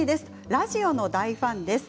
ラジオの大ファンです。